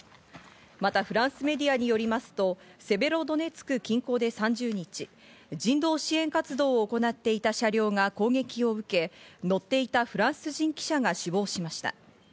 またフランスメディアによりますとセベロドネツク近郊で３０日、人道支援活動を行っていた車両が攻撃を受け、乗っていたフランス人記者が死亡しました。